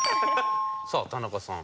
さあ田中さん。